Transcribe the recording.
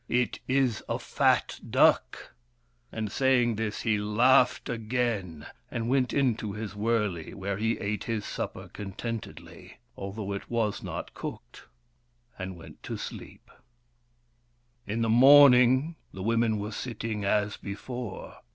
"It is a fat duck." And saying this he laughed again, and went into his wurley, where he ate his supper con tentedly — although it was not cooked — and went to sleep. In the morning, the women were sitting as before.